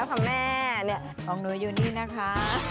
ของหนูอยู่นี่นะคะ